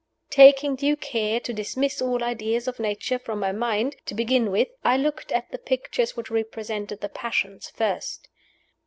Taking due care to dismiss all ideas of Nature from my mind, to begin with, I looked at the pictures which represented the Passions first.